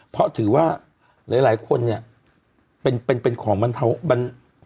เพราะถือว่าหลายหลายคนเนี้ยเป็นเป็นเป็นของมันเทาะมัน